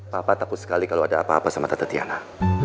papa takut sekali kalau ada apa apa sama tante tiana